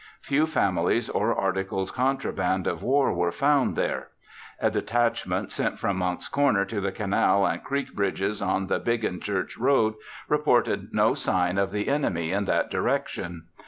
Few families or articles contraband of war were found there. A detachment sent from Monck's Corner to the canal and creek bridges on the Biggin Church Road, reported no sign of the enemy in that direction.